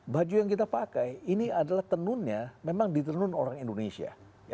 baju yang kita pakai ini adalah tenunnya memang ditenun orang indonesia